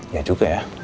ya juga ya